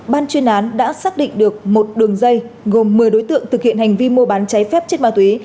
ban chuyên án đã xác định được một đường dây gồm một mươi đối tượng thực hiện hành vi mua bán cháy phép chất ma túy